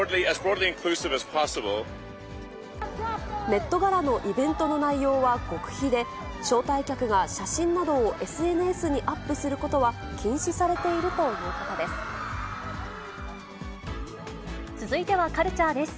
メットガラのイベントの内容は極秘で、招待客が写真などをＳＮＳにアップすることは禁止されているとい続いてはカルチャーです。